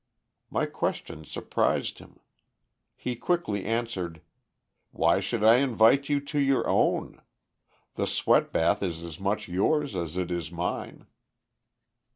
My question surprised him. He quickly answered, "Why should I invite you to your own? The sweat bath is as much yours as it is mine."